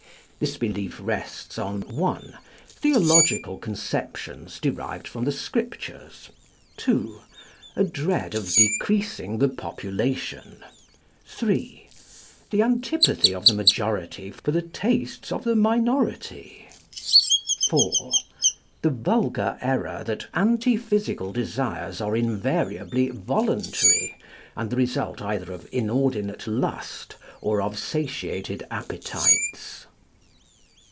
This belief rests on (1) theological conceptions derived from the Scriptures; (2) a dread of decreasing the population; (3) the antipathy of the majority for the tastes of the minority; (4) the vulgar error that antiphysical desires are invariably voluntary, and the result either of inordinate lust or of satiated appetites.